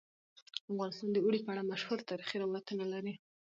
افغانستان د اوړي په اړه مشهور تاریخی روایتونه لري.